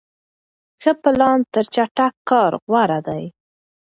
ښه پلان تر چټک کار غوره دی.